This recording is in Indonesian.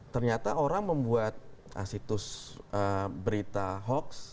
ternyata orang membuat situs berita hoax